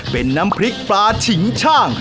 เป็นน้ำพริกปลาฉิงช่าง